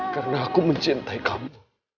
karena aku mencintai kamu